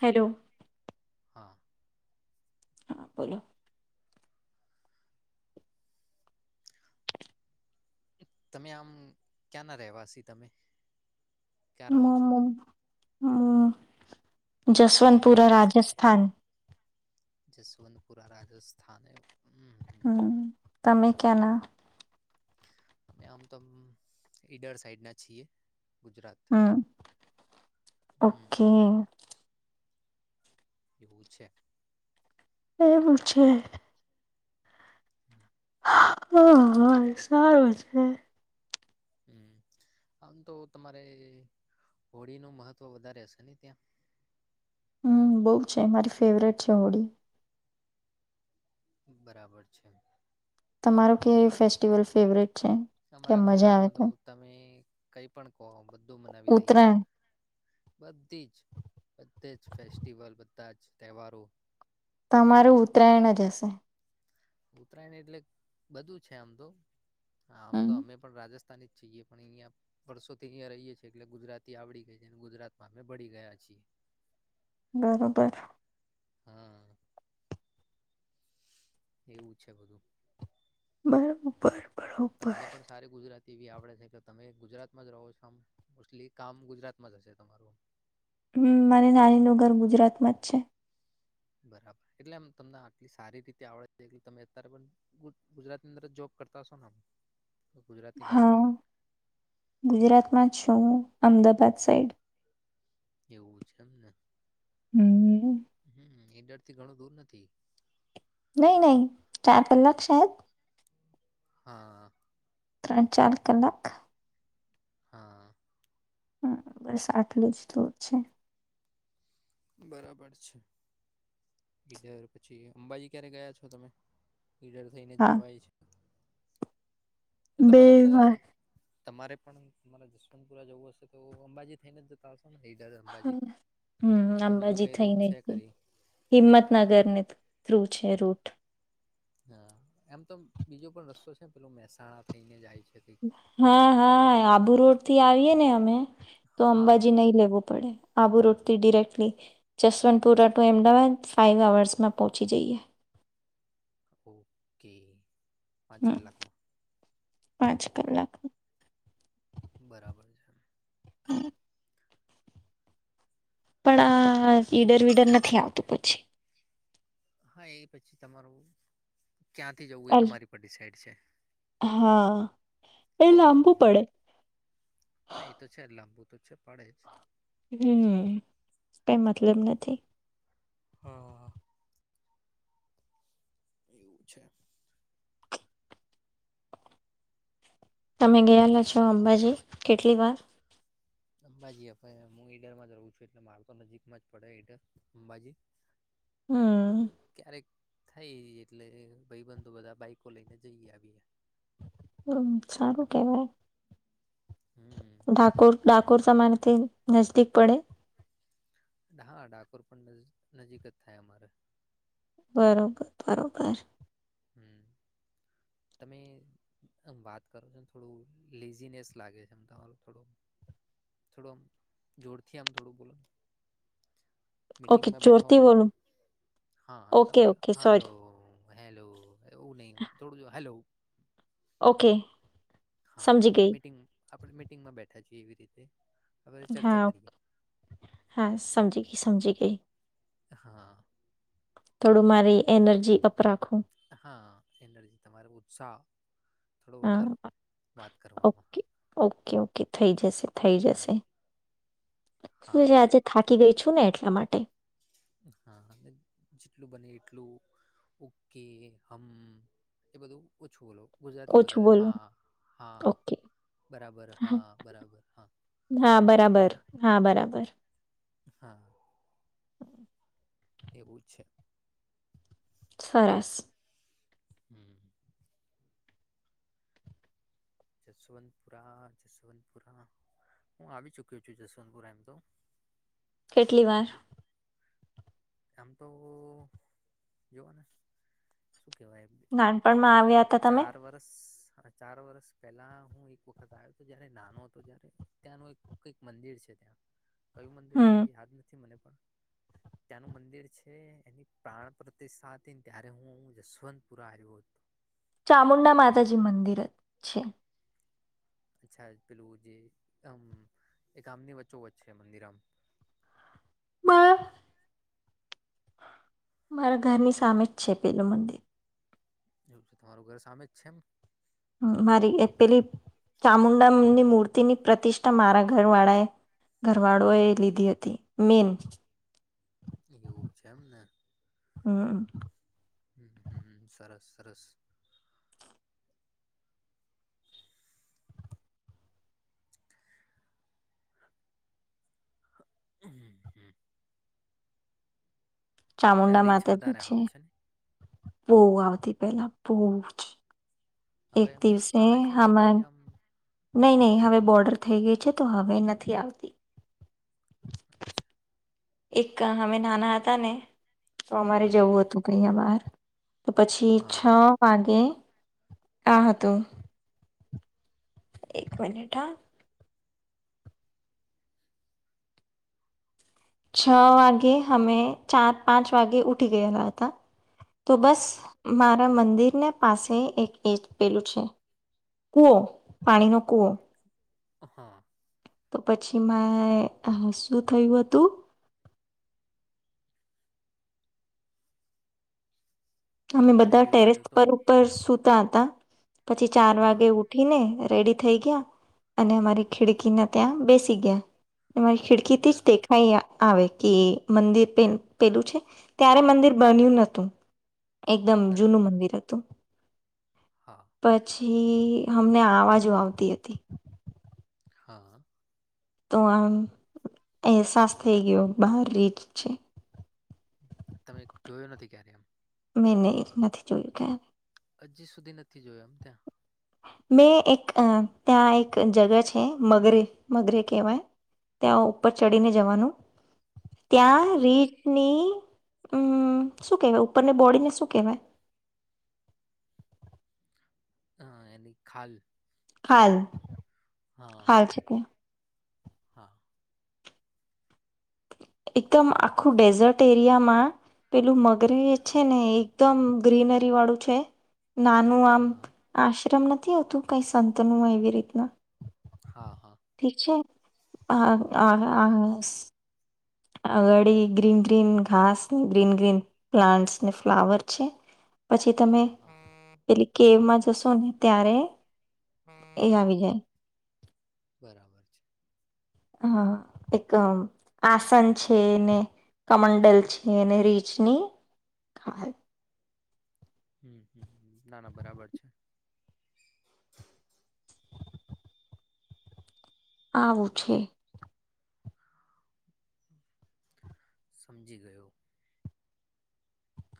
Hello! હા. [inaudible] હા બોલો.? તમે આમ ક્યાં ના રહેવાસી તમે.? ક્યાં રહો છો મમમ હાઆઆ જસવંતપુરા મુંબઈમાં એમ રાજસ્થાન. જસવંતપુરા રાજસ્થાન એમ હમ. હમ! તમે કયાનાં.? અમે, આમ તો, ઈડર સાઈડ ના છીએ. ગુજરાત હમ ઓકે. હમ એવું છે. એ પછે. હા સારું છે. હમ આમ તો તમારે હોળી ન મહત્વ વધારે હશે ને ત્યાં. હમ બહ છે મારી ફેવરેટ છે હોડી. બરાબર છે. મારો કય ફેસ્ટિવલ ફેવરેટ. છે કે અમારા મજા આવે ગુજરાતમાં તો તમે. કઈ પણ. બધું મનાવી લઈએ ઉત્તરાયણ બધી જ બધે જ ફેસ્ટિવલ. બધા જ તહેવારો. તમારું ઉત્તરાયણ જ હશે. ઉત્તરાયણ એટલે બધું છે આમ તો આમ તો હમ અમે પણ રાજસ્થાન જ છએ પણ અહિયાયા વર્ષોથી અહ રહીએ છીએ એટલે ગુજરાતી આવડી ગઈ છે ગુજરાતમાં અમે ભળી ગયા છીએ. બરોબર. હા એવું છે બધું બરાબર. તમને પણ સારી ગુજરાતી વી આપડે છે કે તમે ગુજરાતમાં જ રહો છો આમ મોસ્ટલી કામ ગુજરાતમાં જ હશે તમારું. હમ મારી નાની ન ઘર ગુજરાતમાં જ છે. બરાબર એટલે આમ તમને આટલી સારી રીતે આવડે છે એટ તમે અત્યારે પણ ગુજરાતની અંદર જોબ કરતા હશો ને. ગુજરાતની બહાર હા કઈ ગુજરાતમાં જ છું. અમદાબાદ સાઈડ. એવું છે એમને. હમ. નીડર થી ઘણું દૂર નથી નહી નહી ચાર કલાક શાયદ. હા. ત્રણ ચાર કલાક. હા. હમ બસ આટલું જ તો છે. બરાબર છેધર પછી અંબાજી ક્યારે ગયા છો તમે. ઈડર થઈને જ હા જવાય છે. એ તમારા થયા. વાર તમારે પણ તમારે જસવંતપુરા જવું હશે તો અંબાજી થઈને જતા આવશે. હમ કે બીજો અંબાજી કઈ રૂટ થઈને છે ખરી હિંમતનગર ને. થ્રુ છે રૂટ. હા એમ તો બીજો પણ રસ્તો છેને પેલો મહેસાણા થઈને જાય છે. કઈક હા હા આબુ રોડ થી આવીએે ને અમે. તો હા અંબાજી નહી લેવું પડે. આબુ રોડથી directly Jaswantpura to Ahmedabad five અવર્સમાં પહોંચી જઈએ. ઓકે. પાંચ કલાકમાં. પાંચ કલાક. બરાબર છે. [inaudible] પણ આ ઈડર વિડર નથી આવતું પછી હા એ પછી તમારું ક્યાંથી જવું એ અલ તમારી પર ડીસાઇડ છે. હા, એ લાંબુ પડે હ એ તો છે જ ના. તો છે પડે જ. હમ કઈ મતલબ નથી. હા હ. એવું છે? તમે ગયેલા છો અંબાજી કેટલી વાર? અંબાજી હું ઈડરમાં જ રહું છું એટલે મારુ તો નજીકમાં જ પડે ઈડર અંબાજી. હમ્મ ક્યારેક થઈ એટલે ભાઈબંધુ બધા બાઈકો લઈને જઈ આવીએ. હમ સારું કેહવાય. ઠાકોર હમ ડાકોર ડાકોર તમારથી નજદીક પડે? હા ડાકોર પણ નજ નજીક જ થાય અમારે. બરોબર બરોબર. હમ તમે આ વાત કરો છો ને થોડું લેઝિનેસ લાગે છે તમાર. થોડું થોડું આમ જોરથી આમ થોડું બોલો. ઓકે મીટંગમાં બેઠા જોરથી હોયને એવ બોલું હા હા ઓકે તમે કે ઓકે હાલો. Sorry hello. એવું નહીં થોડું જો હેલો ઓકે. સમજી હા ગઈ મીટિંગ આપડે મીટિંગમાં બેઠ આ જીવી રીતે હવે ચર્ચા હા કરીએ ઓકે હા સમજી ગઈ સમજી ગઈ. હા. થોડું મારી એનર્જી અપ રાખુ. હા એનર્જી તમારે ઉત્સાહ થોડો વધારો હા વાત કરવામાં ઓકે ઓકે ઓ કે થઈ જશે. થઈ જશે હમ શું હા છે આજે થાકી ગઈ છું ને એટલા માટે. હા જેટલું બને એટલું ઓકે હમ એ બધું ઓછું બોલો. ગુજરાતીમાં ઓછું વધારે બોલું હા હા ઓકે બરાબર હા બરાબર હા હા બરાબર એવું હા બરાબર હા એવું જ છે સરસ હમ જસવંતપુરા જસવંતપુરા હું આવી ચુક્યો છું જસવંતપુરા એમ તો કેટલી વાર આમ તો જોવોને નાનપણમાં આવ્યા હતા તમે હા ચાર વર્ષ પહેલા હું એક વખત આયો હતો ત્યારે નાનો હતો જ્યારે ત્યાંનું એક કઈક મંદિર છે ત્યાં કયું મંદિર છે હમ અ યાદ નથી મને પણ ત્યાંનું મંદિર છે એની પ્રાણ પ્રતિષ્ઠા હતીને ત્યારે હું જસવંતપુરા આયો હતો. ચામુંડા માતાજી મંદિર જ છે. અચ્છા પેલું જેમ એ ગામની વચ્ચો વ છે મંદિર આમ બા- મારા ઘરની સામે જ છે પેલું મંદિર તમારું ઘર સામે જ છે એમ મારી એ પેલી ચામુુંડાની મૂર્તિની પ્રતિષ્ઠા મારા ઘરવાળાએ ઘરવાળોએ લીધી હતી મેન. એવું છે એમને હમ. હ હ સરસ સરસ. હમ હમ. [unintelligible] ત્યાં ચામુન્ડા રીચ માતાજી વધારે છે. આવે ને પો આવતી પેલા પોવ જ હવે એક એમ દિવસે આવે છે કે હન પરી આમ નહી નહી હવે બોર્ડર થઈ ગઈ છે તો હવે નથી આવતી. એક અમે નાના હતા ને તો અમારે હા જવું હતું કહયા બહાર તો પછી છ હા વાગે આ હા તો એક મિનિટ હા છ વાગે હમે ચાર પાંચ વાગે ઉઠી ગયેલા હતા. તો બસ હા મારા મંદિર પાસે એક એજ પેલું છે કૂવો પાણીનો કૂવો હા. તો પછી મા હે શું થયું હતું. અમે પાણી બધા પીવા ટેરેસ આવ્યો હતો. પર ઉપર સુ ત હતા પછી ચાર વાગે હા ઉઠી ને રેડી થઈ ગયા અને અમારી ખિડકીને ત્યાં બેસી ગયા. મારી ખિડકી થી જ બરાબર. દેખાઈયા આવે કે મંદિર પેલું છે ત્યારે મંદિર બન્યું નતું એકદમ જૂનું બરાબર મંદિર હતું. હા પછી અમને અવાજો આવતી હતી! હા. તો આમ અહેસાસ થઈ ગયો, બહાર રી જ છે. તમે જોયું નથી ક્યારે એમ? મેં નહીં, એ નથી જોયું કે. હજી સુધી નથી જોયો, એમ ત્યાં. મેં એક ત્યાં એક જગા છે, મગરે મગરે કહેવાય, ત્યાં ઉપર ચડીને જવાનું. ત્યાં હા. રીતની. હમ, શું કેવાય ઉપરને બોડીને શું કેહેવાય? હ, એની ખાલ. શું હાલ કે હા હાલ છે ત્યા. હા. એકદમ આખું ડેઝર્ટ એરિયામાં પેલું મગરે છે ને, એકદમ ગ્રીનરી વાળું છે. નાનું આમ હા. આશ્રમ નથી આવતું, કંઈ સંત નું હો એવી રીતના. હા, હા. ઠીક છે હ! હા, હા. આંગળ ગ્રીન ગ્રીન ઘાસ, ને ગ્રીન ગ્રીન પ્લાન્ટસ, ને ફ્લાવર છે. પછી તમે હા હા પેલી કેવમાં જશો ને, ત્યારે. એજ આવી જાય. બરાબર છે. હ, એક આસન છે ને કમંડલ છે, અનેને રીચની. હમ, હમ. ના, ના. બરાબર છે. આવું છેે. સમજી ગયો!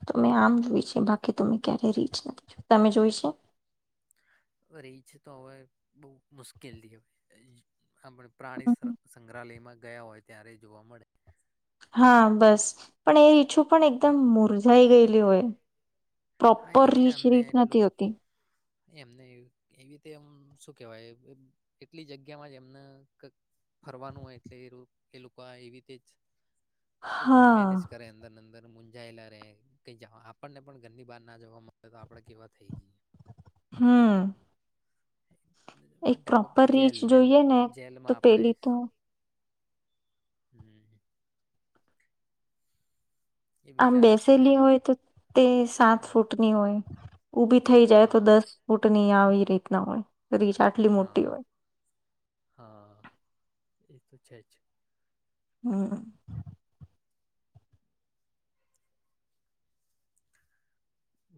તમે આમ જોય છે, બાકી તમે ક્યારે રીચ નથી, તમે જોય છે. રહી છે, તો હવે બહુ મુશ્કેલથી હવે. આપણે પ્રાણી હમ. સંગ્રહાલયમાં. ગયા હોય ત્યારે જોવા મળે. હા, બસ, પણ એ ઈચ્છું. પણ હમ એકદમ મુરજાઈ ગઈ! કરતી હોય. હા પ્રોપર એટલે રીચ અમને રીફ એટલું નથી હોતી. એમને એવી રીતે, એમ શું કેવાય, એટલી જગ્યામાં જ એમને ફરવાનું હોય, એટલે એ એ લોકો એવી રીતે જ. તું હા મેનેજ કરની અંદર અંદર. મુંજાયેલા રે, કંઈ જ. આપણને પણ ઘરની બાર ના જવા મળે, તો આપડે કેવા થઈ જઈ? હમ. હ. એક પ્રોપર રીચ જોઈએ ને, તો જેલમાં આપણે પેલી તો. હમ. એ આમ બિચારા શું છે બેસેલી એમ હોય તો તે સાત હા ફૂટની હોય. ઉભી થઈ જાય હા તો દસ ફૂટ નની આવી. પ્રીતના હોય. કરી ચાટલી મોટી હા હોય. અચ્છા અચ્છા. હમ.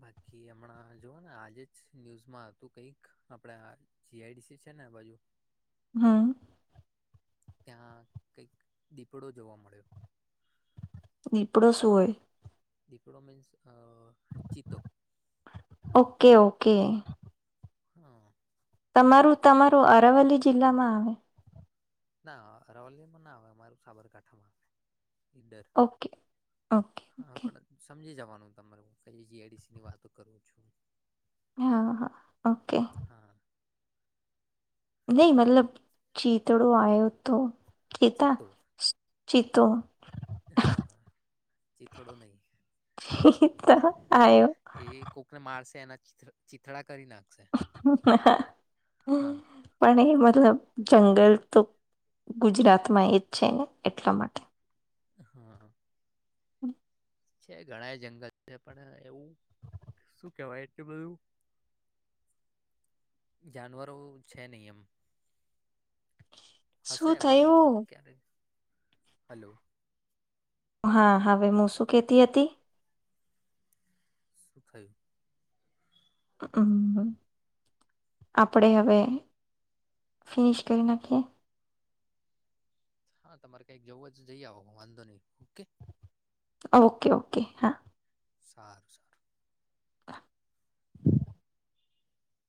બાકી હમણાં જોવા ને આજે જ ન્યૂઝમાં હતું કઈક આપણે જીઆઈડીસી છે ને બાજુ. હા. ત્યાં કઈક દીપડો જોવા મળ્યો. [unintelligible] શું હોય. દીપડો means a cheetah. Okay okay. હા. તમારું તમારું અરવલ્લી જિલ્લામાં આવે. ના અરવલ્લીમાં ના આવે અમારું સાબરકાંઠામાં આવે. ર ઓકે ઓકે હા ઓકે પણ સમજી જવાનું. હું ક જીઆડીસી ની વાત કરું છું. હા હા ઓકે. હા નહી મતલબ ચીતડો આય ઉ તો. ચીતા ચિતતો ચીતો હા ચિતથડો નહી ચીતા આવ્યો એ કોકને મારશે એના. [unintelligible] કરી નાખશે. હા [unintelligible] મતલબ જંગલ તો ગુજરાતમાં એ જ છે ને એટલા માટે. હા. હમ. છે ઘણા એ જંગલ છે પણ એવું. શું કેવાય બધું જાનવરો છે નહીં એમ. શું હશે પણ અવાજ થયું ક્યારે. હલો. હા હવે હું શું કતી હતી. શફાય. હમ આપણેે હવે ફિનિશ કરી નાખીએ. હા તમારે કઈક જવું જ જઈ આવો વાંધો નહીિ ઓકે. ઓકે ઓકે હા. સારું સારું. [inaudible]